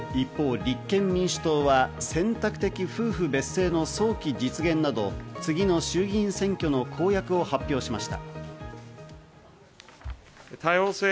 一方、立憲民主党は選択的夫婦別姓の早期実現など、次の衆議院選挙の公約を発表しました。